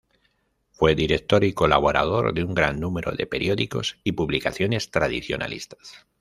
Fue director y colaborador de un gran número de periódicos y publicaciones tradicionalistas.